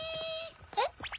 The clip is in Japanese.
・えっ？